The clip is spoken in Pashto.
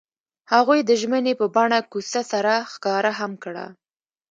هغوی د ژمنې په بڼه کوڅه سره ښکاره هم کړه.